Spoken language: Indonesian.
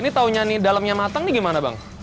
ini tahunya nih dalamnya matang nih gimana bang